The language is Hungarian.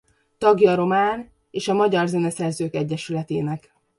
Tagja a Román és a Magyar Zeneszerzők Egyesületének.